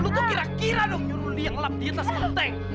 lu tuh kira kira dong nyuruh liat ngelap di atas kenteng